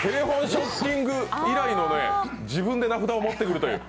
ショッキング以来の自分で名札持ってくるという。